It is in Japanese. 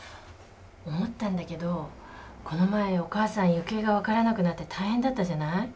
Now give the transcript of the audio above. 思ったんだけどこの前お母さん行方が分からなくなって大変だったじゃない。